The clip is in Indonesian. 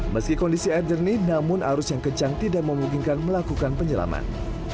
meski kondisi air jernih namun arus yang kencang tidak memungkinkan melakukan penyelaman